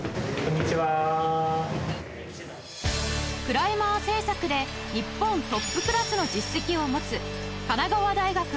クライマー制作で日本トップクラスの実績を持つ神奈川大学